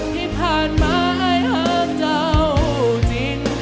ที่ผ่านมาหากเจ้าจริง